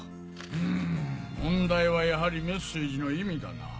うむ問題はやはりメッセージの意味だな。